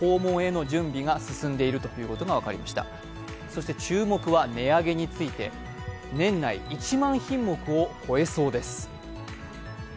そして注目は、値上げについて、年内１万品目を超えそうです。